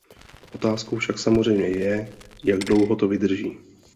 Otázkou však samozřejmě je, jak dlouho to vydrží.